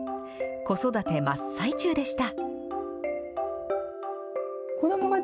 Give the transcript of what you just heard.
子育て真っ最中でした。